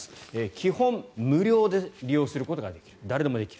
基本無料で利用することができる誰でもできる。